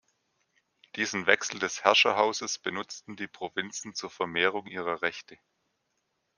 Diesen Wechsel des Herrscherhauses benutzten die Provinzen zur Vermehrung ihrer Rechte.